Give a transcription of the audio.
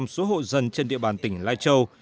số hội dân trên địa bàn tỉnh lai châu